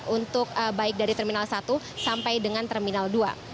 untuk baik dari terminal satu sampai dengan terminal dua